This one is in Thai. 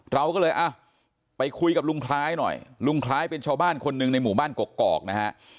เราก็เลยอ่ะไปคุยกับลุงคล้ายหน่อยลุงคล้ายเป็นชาวบ้านคนหนึ่งในหมู่บ้านกกอกนะฮะ